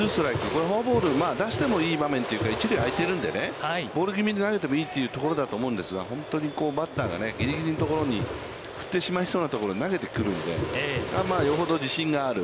これはフォアボール出してもいい場面というか、一塁あいているので、ボールぎみに投げてもいいというところだと思うんですが、本当にバッターがぎりぎりのところに、振ってしまいそうなところに投げてくるので、よほど自信がある。